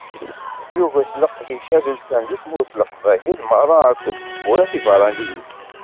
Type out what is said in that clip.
Yuget leqdic adelsan deg tmurt n leqbayel merra akked tmura tiberraniyin.